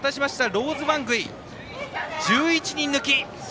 ローズ・ワングイ、１１人抜き！